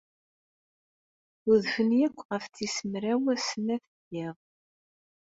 Udfen akk ɣef tis mraw snat n yiḍ.